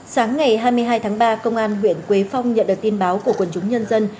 sáng ngày hai mươi hai tháng ba công an huyện quế phong nhận được tin báo của quần chúng nhân dân